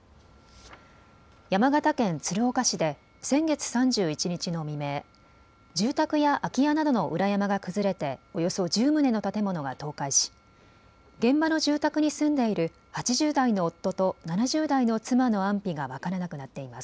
山形県鶴岡市で先月３１日の未明、住宅や空き家などの裏山が崩れておよそ１０棟の建物が倒壊し現場の住宅に住んでいる８０代の夫と７０代の妻の安否が分からなくなっています。